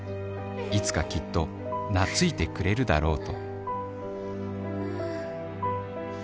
いつかきっと懐いてくれるだろうとはぁ。